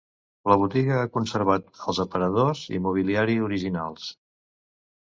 La botiga ha conservat els aparadors i mobiliari originals.